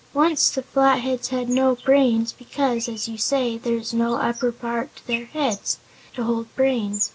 "Once the Flatheads had no brains because, as you say, there is no upper part to their heads, to hold brains.